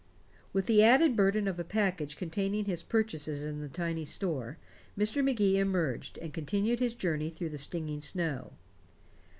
With the added burden of a package containing his purchases in the tiny store, Mr. Magee emerged and continued his journey through the stinging snow.